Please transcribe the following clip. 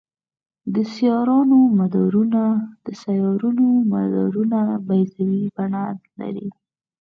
د سیارونو مدارونه بیضوي بڼه لري.